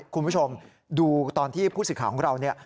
คุณผู้ชมดูตอนที่ผู้สิทธิ์ของเราเนี่ย